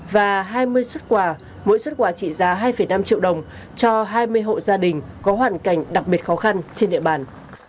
và hai mươi xuất quà mỗi xuất quà trị giá hai năm triệu đồng cho hai mươi hộ gia đình có hoàn cảnh đặc biệt khó khăn trên địa bàn